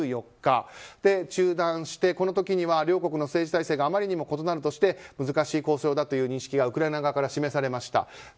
１４日中断してこの時には両国の政治体制があまりにも異なるとして難しい交渉だという認識がウクライナ側から示されました。